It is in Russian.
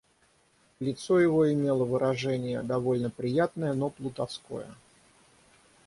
Лицо его имело выражение довольно приятное, но плутовское.